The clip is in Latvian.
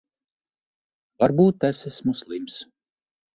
Varbūt es esmu slims.